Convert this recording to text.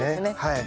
はい。